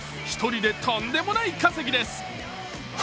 １人でとんでもない稼ぎです。